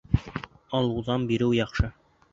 Алыуҙан биреү яҡшы.